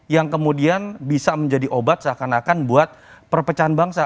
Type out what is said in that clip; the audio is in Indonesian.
yang kemudian bisa menjadi obat seakan akan buat perpecahan bangsa